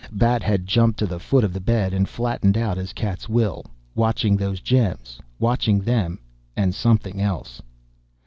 Bat had jumped to the foot of the bed and flattened out as cats will, watching those gems, watching them and something else!